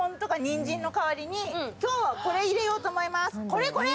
これこれ！